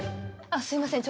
あっすいません